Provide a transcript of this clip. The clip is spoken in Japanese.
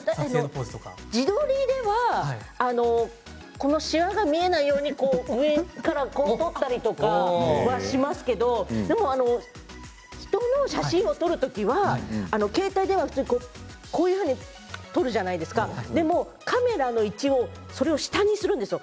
自撮りではしわが見えないように上から撮ったりとかしますけどでも人の写真を撮るときは携帯ではこうやって撮るじゃないですかでもカメラの位置を下にするんですよ。